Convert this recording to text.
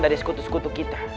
dari sekutu sekutu kita